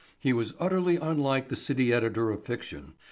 He was utterly unlike the city editor of fiction.